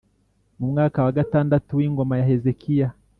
Mu mwaka wa gatandatu w ingoma ya Hezekiya